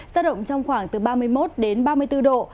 giao động trong khoảng từ ba mươi một đến ba mươi bốn độ